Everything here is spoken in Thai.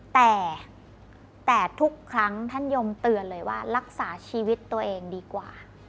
แต่ทุกครั้งท่านยมเตือนเลยว่ารักษาชีวิตตัวเองดีกว่า